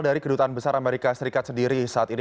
dari kedutaan besar amerika serikat sendiri saat ini